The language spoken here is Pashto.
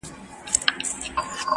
هر توري چي یې زما له شوګیری سره ژړله-